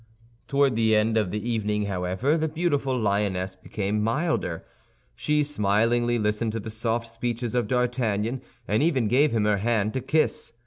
Toward the end of the evening, however, the beautiful lioness became milder; she smilingly listened to the soft speeches of D'Artagnan, and even gave him her hand to kiss.